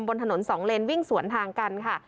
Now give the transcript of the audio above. บนถนนสองเลนวิ่งสวนทางกันค่ะ